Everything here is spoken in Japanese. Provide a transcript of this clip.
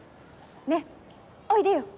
ねっおいでよ！